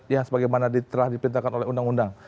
yang sebagaimana telah diperintahkan oleh undang undang